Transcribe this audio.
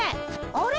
あれ？